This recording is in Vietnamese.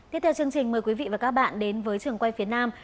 tiếp theo chương trình mời quý vị và các bạn đến với trường quay phía nam